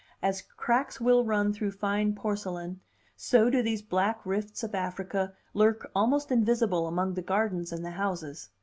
As cracks will run through fine porcelain, so do these black rifts of Africa lurk almost invisible among the gardens and the houses.